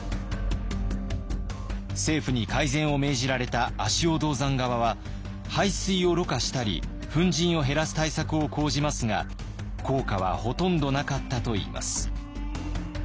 政府に改善を命じられた足尾銅山側は排水をろ過したり粉じんを減らす対策を講じますが効果はほとんどなかったといいます。